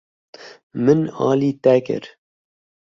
Min alî te kir.